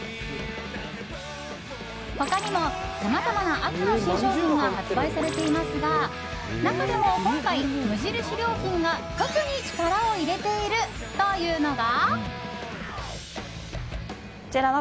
他にも、さまざまな秋の新商品が発売されていますが中でも今回、無印良品が特に力を入れているというのが。